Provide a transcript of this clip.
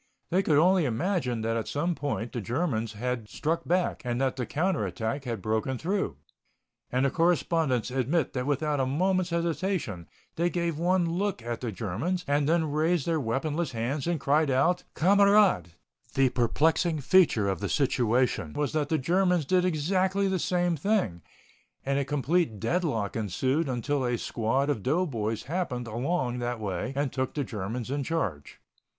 They could only imagine that at some point the Germans had struck back and that the counter attack had broken through. And the correspondents admit that without a moment's hesitation they gave one look at the Germans and then raised their weaponless hands and cried "Kamerad." The perplexing feature of the situation was that the Germans did exactly the same thing, and a complete deadlock ensued until a squad of doughboys happened along that way and took the Germans in charge.